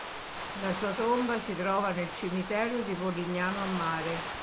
La sua tomba si trova nel cimitero di Polignano a Mare.